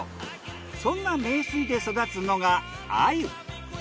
そんな名水で育つのが鮎。